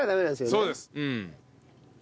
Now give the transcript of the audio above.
そうです。